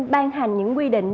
ban hành những quy định